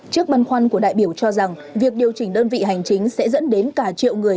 trước băn khoăn của đại biểu cho rằng việc điều chỉnh đơn vị hành chính sẽ dẫn đến cả triệu người